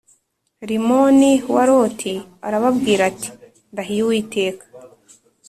Rimoni Wa Roti Arababwira Ati Ndahiye Uwiteka